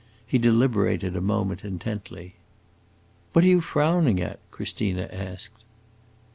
He deliberated a moment intently. "What are you frowning at?" Christina asked.